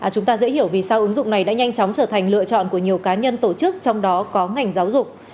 chúng ta dễ hiểu vì sao ứng dụng này đã nhanh chóng trở thành lựa chọn của nhiều cá nhân tổ chức trong đó có ngành giáo dục